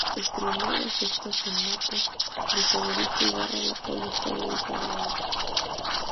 Estrenó la Sexta sonata de Federico Ibarra, la cual está dedicada a ella.